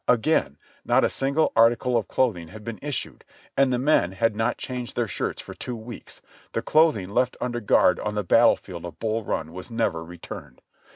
Again, not a single article of clothing had been issued, and the men had not changed their shirts for two weeks ; the cloth ing left under guard on the battle field of Bull Run was never re turned.